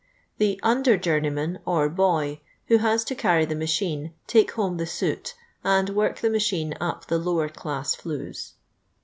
I The " Under joumeyman " or " boy, who has j to carry the machine, take home the soot, and I work the machine up the lower chiss flues.